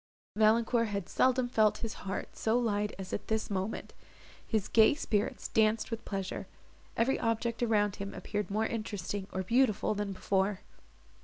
Valancourt had seldom felt his heart so light as at this moment; his gay spirits danced with pleasure; every object around him appeared more interesting, or beautiful, than before.